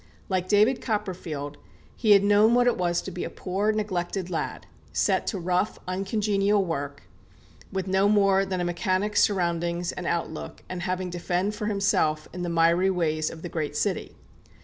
Like David Copperfield, he had known what it was to be a poor, neglected lad, set to rough, uncongenial work, with no more than a mechanic's surroundings and outlook, and having to fend for himself in the miry ways of the great city.